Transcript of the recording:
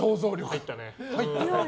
入ったね。